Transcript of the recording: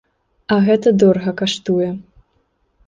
А гэта дорага каштуе.